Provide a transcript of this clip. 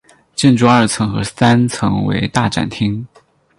建筑二层和三层为大展厅。